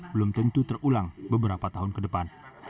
belum tentu terulang beberapa tahun ke depan